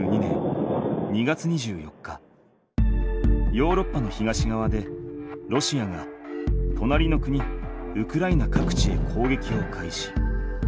ヨーロッパの東がわでロシアがとなりの国ウクライナ各地へ攻撃を開始。